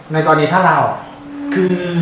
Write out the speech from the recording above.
ในตอนนี้ถ้าลาออก